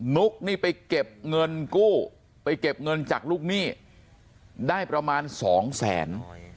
ุ๊กนี่ไปเก็บเงินกู้ไปเก็บเงินจากลูกหนี้ได้ประมาณสองแสน